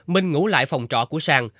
minh ngủ lại phòng trọ của sang